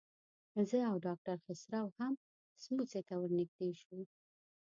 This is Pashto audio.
زه او ډاکټر خسرو هم سموڅې ته ورنږدې شو.